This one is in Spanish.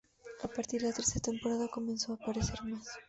A partir de la tercera temporada comenzó a aparecer más.